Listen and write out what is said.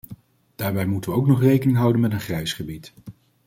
Daarbij moeten we ook nog rekening houden met een grijs gebied.